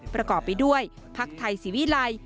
ประกอบไปด้วยพักธิ้วไทยสีวุรัย